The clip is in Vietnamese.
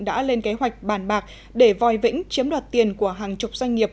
đã lên kế hoạch bàn bạc để vòi vĩnh chiếm đoạt tiền của hàng chục doanh nghiệp